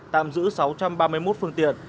tạm giữ sáu trăm ba mươi một phương tiện